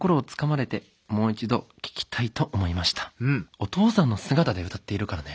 お父さんの姿で歌っているからね。